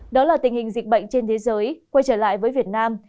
đó là tình hình dịch bệnh trên thế giới quay trở lại với việt nam